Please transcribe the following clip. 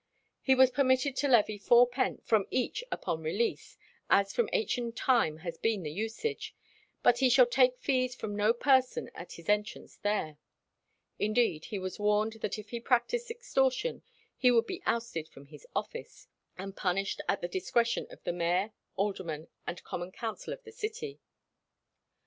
He was permitted to levy fourpence from each upon release, "as from ancient time has been the usage, but he shall take fees from no person at his entrance there;" indeed, he was warned that if he practised extortion he would be "ousted from his office," and punished at the discretion of the mayor, aldermen, and common council of the city.